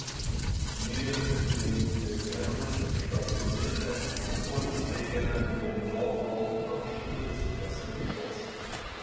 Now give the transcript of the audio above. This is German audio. Neben dem in Everett stationierten Flugzeugträger liegen dort auch Kampfschiffe zu dessen Schutz.